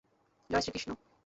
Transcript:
Joy Shrikrishna!